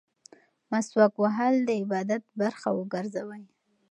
مسواک وهل د عبادت برخه وګرځوئ.